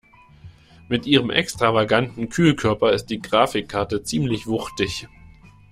Mit ihrem extravaganten Kühlkörper ist die Grafikkarte ziemlich wuchtig.